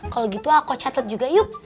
kalau gitu aku catat juga yuk